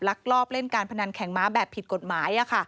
ลอบเล่นการพนันแข่งม้าแบบผิดกฎหมาย